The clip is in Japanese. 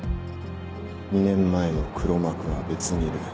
２年前の黒幕は別にいる。